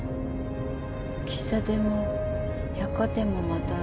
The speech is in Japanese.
喫茶店も百貨店もまたあるよ。